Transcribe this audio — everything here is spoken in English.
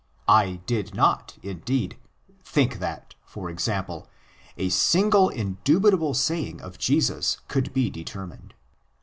I did not, indeed, think that, for example, a single indubitable saying of Jesus could be determined.